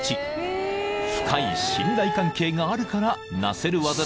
［深い信頼関係があるからなせるワザだという］